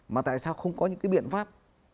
mà tại sao không có những biện pháp